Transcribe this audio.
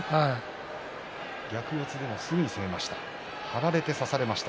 逆四つでもすぐに差しました。